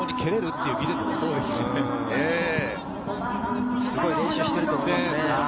すごい練習していると思いますね。